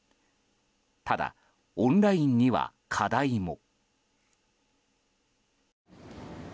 ただ、オンラインには課題も。